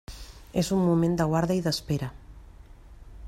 És un moment de guarda i d'espera.